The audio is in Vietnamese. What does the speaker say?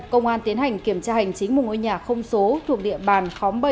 công an tiến hành kiểm tra hành chính một ngôi nhà không số thuộc địa bàn khóm bảy